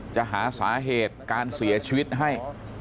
จะหาสาเหตุการเสียชีวิตให้